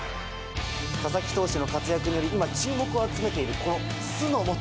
佐々木投手の活躍により今、注目を集めている酢の素。